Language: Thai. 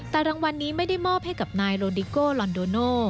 แต่รางวัลนี้ไม่ได้มอบให้กับนายโรดิโกลอนโดโน